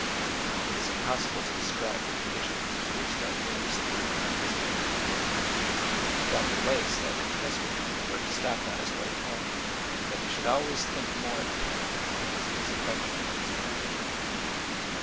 It is impossible to describe the condition into which that news threw Em i mons Baird. Dr. Lay said at Keswick, where he stopped on his way home, that he should always think more of j the man because of his affection for his brother.